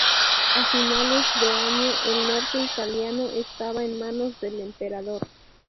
A finales de año el norte italiano estaba en manos del emperador.